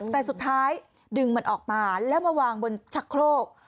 แต่สุดท้ายดึงมันออกมาแล้วมาวางบนชะโครก